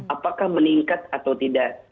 apakah meningkat atau tidak